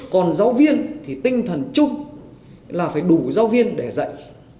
còn giáo viên thì tinh thần chung là phải đủ giáo viên để dạy